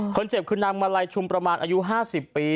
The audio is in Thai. คนเจ็บคือนางมาลัยชุมประมาณอายุ๕๐ปี